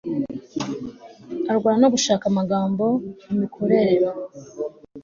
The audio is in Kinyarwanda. arwana no gushaka amagambo kumikorere